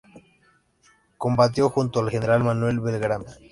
Combatió junto al general Manuel Belgrano.